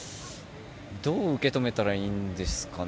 どう受け止めたらいいんですかね。